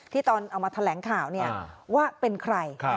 ที่ตอนเอามาแถลงข่าวเนี่ยอ่าว่าเป็นใครค่ะ